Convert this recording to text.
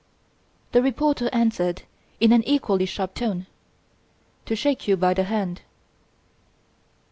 The reporter answered in an equally sharp tone: "To shake you by the hand."